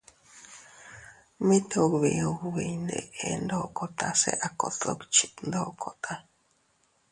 Mit ubi ubi iyndeʼe ndokota se a kot dukchit ndokota.